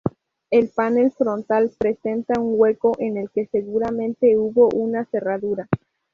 El panel frontal presenta un hueco en el que seguramente hubo una cerradura.